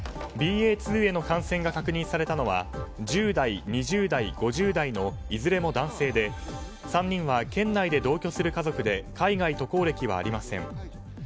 ＢＡ．２への感染が確認されたのは１０代、２０代、５０代のいずれも男性で３人は県内で同居する家族で海外渡航歴はありません。